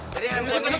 dari kanan yuk